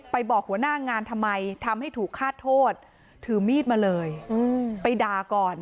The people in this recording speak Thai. บอกหัวหน้างานทำไมทำให้ถูกฆาตโทษถือมีดมาเลยไปด่าก่อน